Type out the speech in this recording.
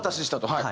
はい。